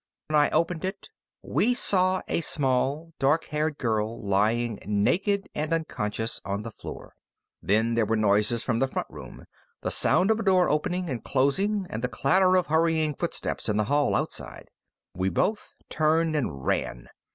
When I opened it, we saw a small, dark haired girl lying naked and unconscious on the floor. Then there were noises from the front room. The sound of a door opening and closing, and the clatter of hurrying footsteps in the hall outside. We both turned and ran.